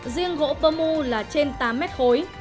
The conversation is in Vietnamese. riêng gỗ bờ mù là trên tám m khối